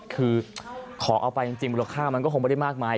คือของเอาไปจริงมูลค่ามันก็คงไม่ได้มากมาย